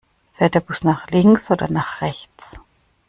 Fährt der Bus nach links oder nach rechts?